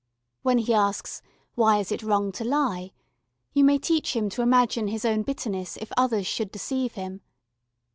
When he asks, "Why is it wrong to lie?" you may teach him to imagine his own bitterness if others should deceive him.